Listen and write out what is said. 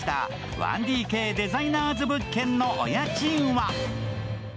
１ＤＫデザイナーズ物件のお家賃は？